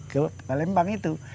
ke palembang itu